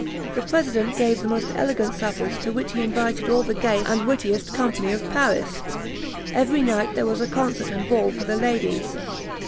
The president gave the most elegant suppers, to which he invited all the gayest and wittiest company of Paris. Every night there was a concert and ball for the ladies.